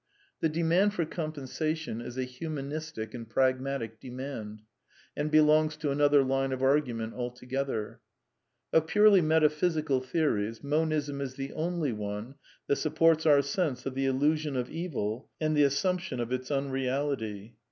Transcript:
(The demand for compensation is a humanistic and pragmatic demand, and belongs to another line of argu ment altogether.) Of purely metaphysical theories, Monism is the only one that supports our sense of the illusion of evil and the assumption of its unreality.